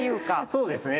そうですね。